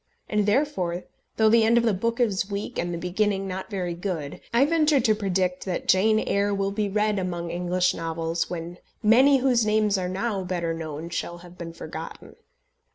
And therefore, though the end of the book is weak, and the beginning not very good, I venture to predict that Jane Eyre will be read among English novels when many whose names are now better known shall have been forgotten.